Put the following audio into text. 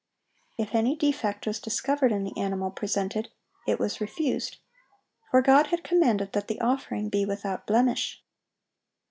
If any defect was discovered in the animal presented, it was refused; for God had commanded that the offering be "without blemish."